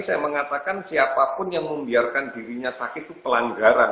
saya mengatakan siapapun yang membiarkan dirinya sakit itu pelanggaran